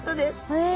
へえ。